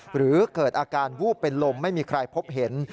หรือเกิดอาการวูบเป็นลมไม่มีใครพบเห็น